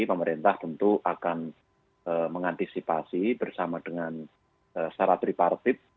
pemerintah tentu akan mengantisipasi bersama dengan secara tripartit